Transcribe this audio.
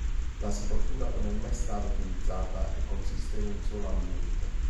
La sepoltura non è mai stata utilizzata e consiste in un solo ambiente.